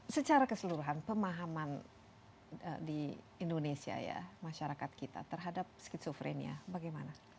secara keseluruhan pemahaman di indonesia ya masyarakat kita terhadap skizofrenia bagaimana